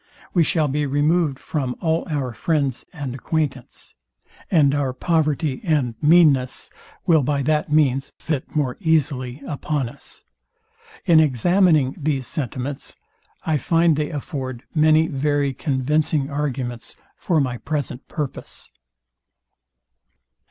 We shall be removed from all our friends and acquaintance, and our poverty and meanness will by that means sit more easy upon us. In examining these sentiments, I find they afford many very convincing arguments for my present purpose.